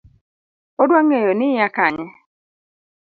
Odwa ng'eyo ni Iya kanye?